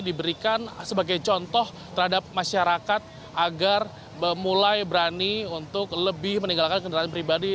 diberikan sebagai contoh terhadap masyarakat agar mulai berani untuk lebih meninggalkan kendaraan pribadi